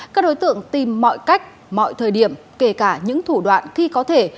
các đối tượng tìm mọi cách mọi thời điểm kể cả những thủ đoạn khi có thể